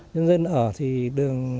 nhân dân ở thì đường